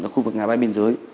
khu vực ngài bay bên dưới